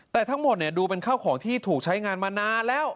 แต่ทั้งหมดดูเป็นข้าวของที่ถูกใช้งานมานานแล้ว